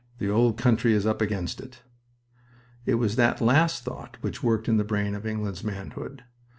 The old country is up against it." It was that last thought which worked in the brain of England's manhood.